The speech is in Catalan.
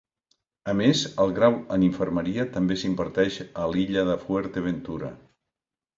A més, el Grau en Infermeria també s'imparteix a l'illa de Fuerteventura.